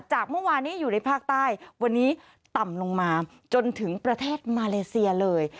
เมื่อวานนี้อยู่ในภาคใต้วันนี้ต่ำลงมาจนถึงประเทศมาเลเซียเลย